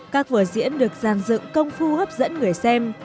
các vở diễn được giàn dựng công phu hấp dẫn người xem